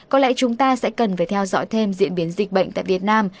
có lẽ chúng ta sẽ cần phải theo dõi thêm diễn biến dịch bệnh tại việt nam